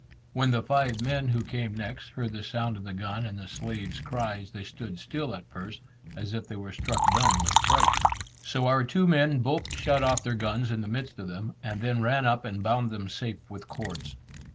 When the five men who came next, heard the sound of the gun and the slave's cries, they stood still at first, as if they were struck dumb with fright. So our two men both shot off their guns in the midst of them, and then ran up and bound them safe with cords.